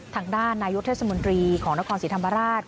ทางด้านนายุทธเศรษฐมนตรีของนครสีธรรมราช